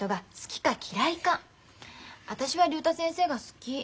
私は竜太先生が好き。